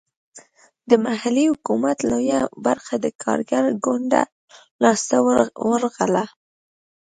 د محلي حکومت لویه برخه د کارګر ګوند لاسته ورغله.